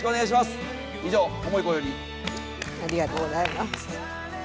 ありがとうございます。